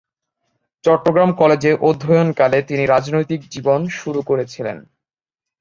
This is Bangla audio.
চট্টগ্রাম কলেজে অধ্যয়নকালে তিনি রাজনৈতিক জীবন শুরু করেছিলেন।